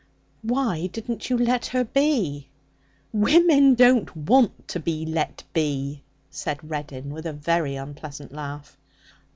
'Why didn't you let her be?' 'Women don't want to be let be,' said Reddin with a very unpleasant laugh.